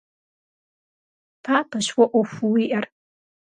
Папэщ уэ Ӏуэхуу уиӀэр.